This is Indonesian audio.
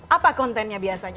apa kontennya biasanya